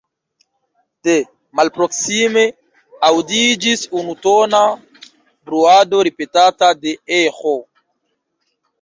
De malproksime aŭdiĝis unutona bruado, ripetata de eĥo.